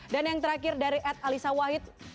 dan yang terakhir dari ad alisa wahid